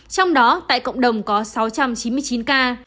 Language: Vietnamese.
trong đó tại cộng đồng có sáu trăm chín mươi chín ca